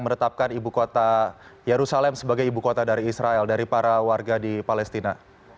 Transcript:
menetapkan ibu kota yerusalem sebagai ibu kota dari israel dari para warga di palestina